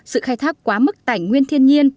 sự khai thác quá mức tài nguyên thiên nhiên